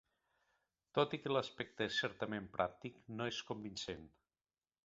Tot i que l'aspecte és certament pràctic, no és convincent.